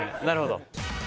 なるほど。